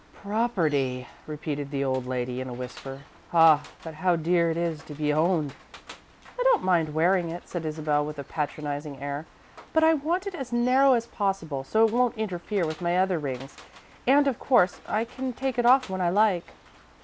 "Property," repeated the old lady, in a whisper. "Ah, but how dear it is to be owned!" "I don't mind wearing it," said Isabel, with a patronising air, "but I want it as narrow as possible, so it won't interfere with my other rings, and, of course, I can take it off when I like."